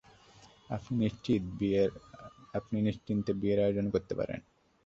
আপনি নিশ্চিন্তে বিয়ের আয়োজন করতে পারেন।